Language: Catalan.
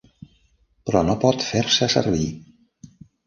Però no pot fer-se servir.